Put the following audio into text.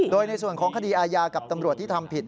โดยในส่วนของคดีอาญากับตำรวจที่ทำผิด